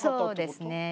そうですね。